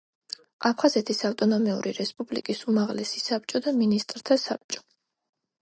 აფხაზეთის ავტონომიური რესპუბლიკის უმაღლესი საბჭო და მინისტრთა საბჭო.